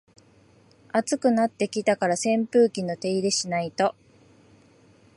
暑くなってきたから扇風機の手入れしないと